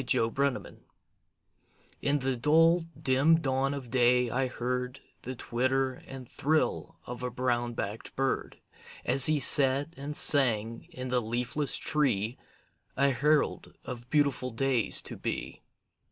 THE UNDER TONE In the dull, dim dawn of day I heard The twitter and thrill of a brown backed bird, As he sat and sang in the leafless tree, A herald of beautiful days to be.